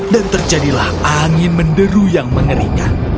dan terjadilah angin menderu yang mengerikan